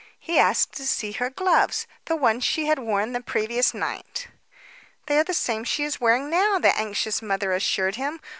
He asked to see her gloves the ones she had worn the previous night. "They are the same she is wearing now," the anxious mother assured him.